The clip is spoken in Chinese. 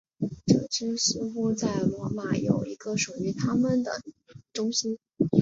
这支似乎在罗马有一个属于他们的中心。